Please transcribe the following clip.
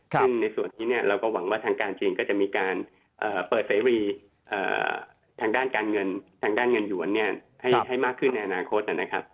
ซึ่งในส่วนฮี่เราก็หวังว่าทางด้านจีนก็จะมีการเปิดเซวีทางด้านเงินหยุนให้มากขึ้นในอนาคต